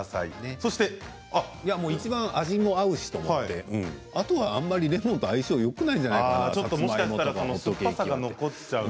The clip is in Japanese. いちばん味が合うしと思って、あとはあまりレモンと相性がよくないんじゃないかなって。